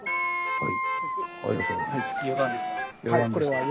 はい。